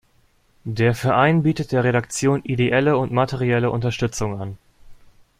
Der Verein bietet der Redaktion ideelle und materielle Unterstützung an.